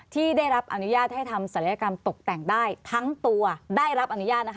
ที่ได้รับอนุญาตให้ทำศัลยกรรมตกแต่งได้ทั้งตัวได้รับอนุญาตนะคะ